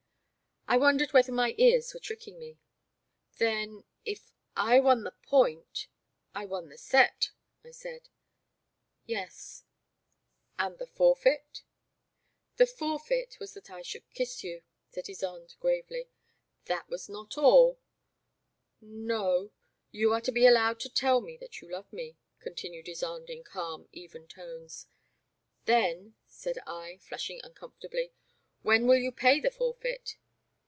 I wondered whether my ears were tricking me. " Then — ^if I won the point — I won the set," I said. *' Yes." " And the forfeit "'* The forfeit was that I should kiss you," said Ysonde, gravely. *' That was not all "No, — ^you are to be allowed to tell me that I40 The Black Water. you love me/' continued Ysonde in calm, even tones. Then,'* said I, flushing uncomfortably, ''when will you pay the forfeit